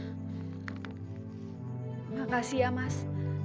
terima kasih mas